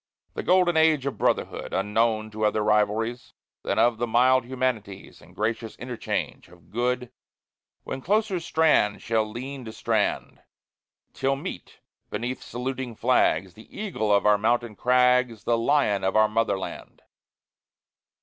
The golden age of brotherhood Unknown to other rivalries Than of the mild humanities, And gracious interchange of good, When closer strand shall lean to strand, Till meet, beneath saluting flags, The eagle of our mountain crags, The lion of our Motherland!